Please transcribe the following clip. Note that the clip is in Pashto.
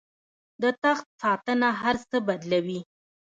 د تخت ساتنه هر څه بدلوي.